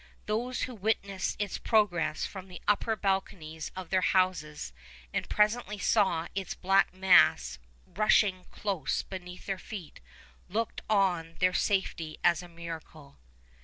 Those who witnessed its progress from the upper balconies of their houses, and presently saw its black mass rushing close beneath their feet, looked on their safety as a miracle.